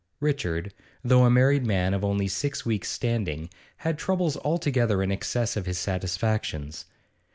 Richard, though a married man of only six weeks' standing, had troubles altogether in excess of his satisfactions.